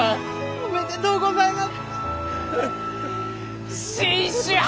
おめでとうございます！